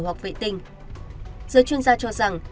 hoặc vệ tinh giới chuyên gia cho rằng